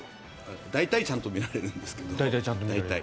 大体ちゃんと見られるんですが。